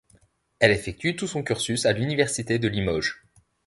Elle effectue tout son cursus à l'université de Limoges.